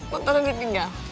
motornya udah tinggal